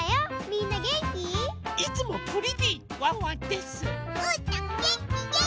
みんなげんき？いつもプリティーワンワンです。